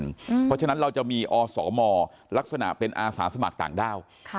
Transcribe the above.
เพราะฉะนั้นเราจะมีอสมลักษณะเป็นอาสาสมัครต่างด้าว